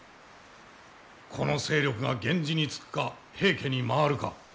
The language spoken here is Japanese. この勢力が源氏につくか平家に回るか。